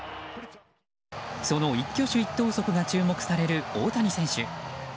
その一挙手一投足が注目される大谷選手。